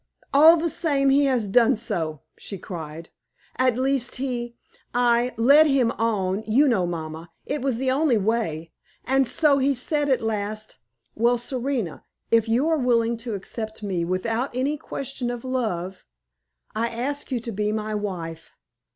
"All the same, he has done so!" she cried; "at least, he I led him on, you know, mamma; it was the only way. And so he said at last, 'Well, Serena, if you are willing to accept me without any question of love, I ask you to be my wife!'